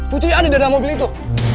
putri ada di dalam mobil itu